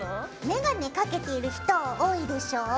メガネかけている人多いでしょ？